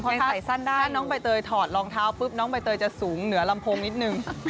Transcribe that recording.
พอยังใส่สั้นได้ถ้าน้องใบเตยถอดรองเท้าปุ๊บน้องใบเตยจะสูงเหนือลำโพงนิดนึง